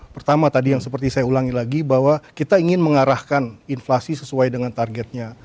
pertama tadi yang seperti saya ulangi lagi bahwa kita ingin mengarahkan inflasi sesuai dengan targetnya